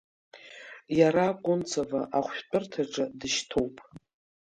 Иара Кунцово ахәшәтәырҭаҿы дышьҭоуп.